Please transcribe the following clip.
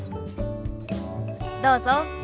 どうぞ。